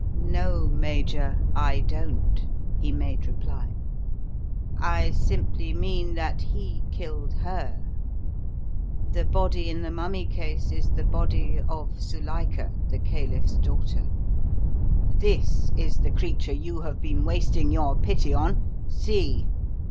"No, Major, I don't," he made reply. "I simply mean that he killed her! The body in the mummy case is the body of Zuilika, the caliph's daughter! This is the creature you have been wasting your pity on see!"